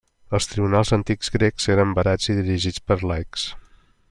Els tribunals antics grecs eren barats i dirigit per laics.